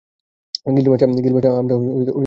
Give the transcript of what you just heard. Guild master, আমরা এটা প্রতিকার কীভাবে করবো?